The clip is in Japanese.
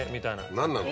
何なの？